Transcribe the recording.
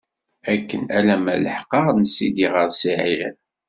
Akken alamma leḥqeɣ- n sidi, ɣer Siɛir.